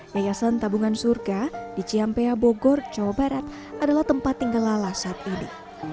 yayasan tabungan surga di ciampea bogor jawa barat adalah tempat tinggal lala saat ini